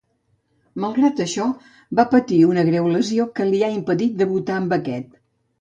Malgrat això, va patir una greu lesió que li ha impedit debutar amb aquest.